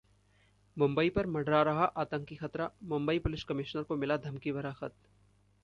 मुंबई पर मंडरा रहा आतंकी खतरा, मुंबई पुलिस कमिश्नर को मिला धमकी भरा खत